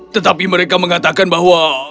tetapi mereka mengatakan bahwa